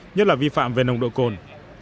nhất là vi phạm về nồng độ cồn